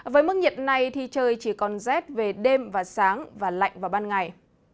với mức nhiệt này thì trời chỉ còn rét về đêm và sáng và lạnh vào ban ngày